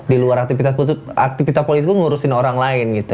di luar aktivitas politik pun ngurusin orang lain gitu